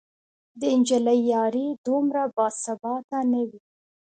د نجلۍ یاري دومره باثباته نه وي